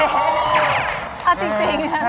เอาจริง